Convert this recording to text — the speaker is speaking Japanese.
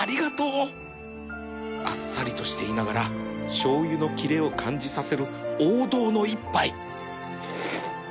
あっさりとしていながらしょうゆのキレを感じさせる王道の一杯